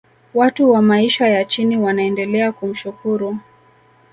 watu wa maisha ya chini wanaendelea kumshukuru